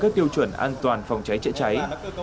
các tiêu chuẩn an toàn phòng cháy chữa cháy